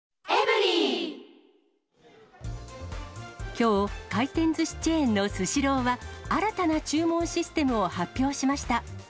きょう、回転ずしチェーンのスシローは、新たな注文システムを発表しました。